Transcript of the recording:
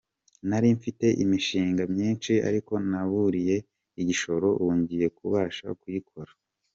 Nari mfite imishinga myinshi ariko naburiye igishoro ubu ngiye kubasha kuyikora.